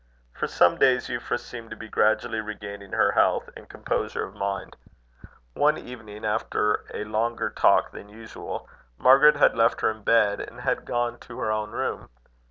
For some days Euphra seemed to be gradually regaining her health and composure of mind. One evening, after a longer talk than usual, Margaret had left her in bed, and had gone to her own room.